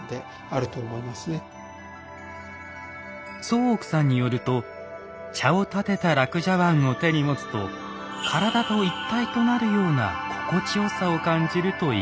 宗屋さんによると茶をたてた樂茶碗を手に持つと体と一体となるような心地よさを感じるといいます。